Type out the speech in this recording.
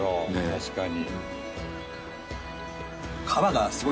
確かに。